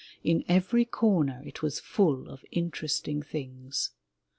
In every comer it was full of interesting things.